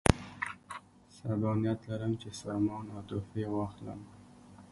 صبا نیت لرم چې سامان او تحفې واخلم.